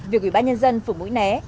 việc ủy ban nhân dân phủ mũi né